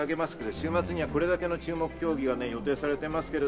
週末にはこのような競技が予定されています。